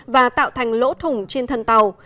và tạo thành lỗ thủng trên thân tàu